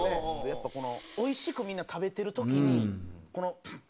やっぱこのおいしくみんな食べてる時にこのプッ！